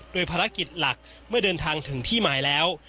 โดยภารกิจหลักเมื่อเดินทางถึงที่หมายแล้ว